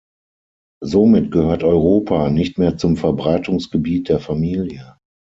Somit gehört Europa nicht mehr zum Verbreitungsgebiet der Familie.